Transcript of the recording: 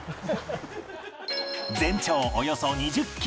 全長およそ２０キロ